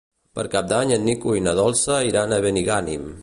Per Cap d'Any en Nico i na Dolça iran a Benigànim.